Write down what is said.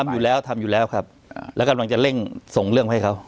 อยู่แล้วทำอยู่แล้วครับแล้วกำลังจะเร่งส่งเรื่องมาให้เขา